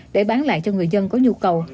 để bán lại cho người dân có nhu cầu